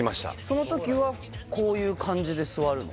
そのときはこういう感じで座るの？